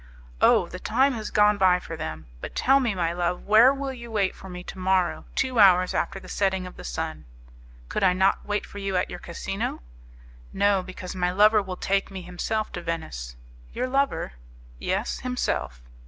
"Oh! the time has gone by for them! But tell me, my love, where will you wait for me to morrow, two hours after the setting of the sun?" "Could I not wait for you at your casino?" "No, because my lover will take me himself to Venice." "Your lover?" "Yes, himself."